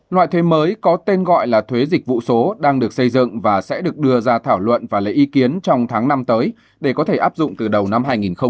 loại thuế mới có tên gọi là thuế dịch vụ số đang được xây dựng và sẽ được đưa ra thảo luận và lấy ý kiến trong tháng năm tới để có thể áp dụng từ đầu năm hai nghìn hai mươi